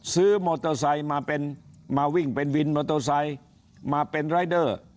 ซื้อมอเตอร์ไซค์มาเป็นมาวิ่งเป็นวินมอเตอร์ไซค์มาเป็นรายเดอร์